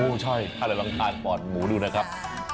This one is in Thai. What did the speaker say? โอ้ใช่ถ้าเธอต้องทานปอดหมูดูนะครับ